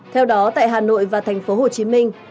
theo đó tại hà nội và thành phố hồ chí minh